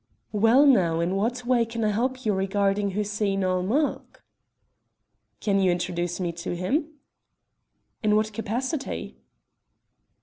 "Well, now, in what way can I help you regarding Hussein ul Mulk?" "Can you introduce me to him?" "In what capacity?"